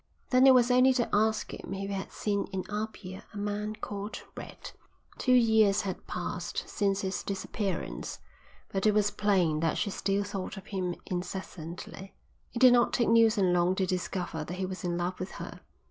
Then it was only to ask him if he had seen in Apia a man called Red. Two years had passed since his disappearance, but it was plain that she still thought of him incessantly. It did not take Neilson long to discover that he was in love with her.